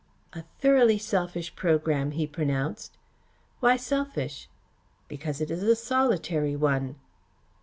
"A thoroughly selfish programme," he pronounced. "Why selfish?" "Because it is a solitary one."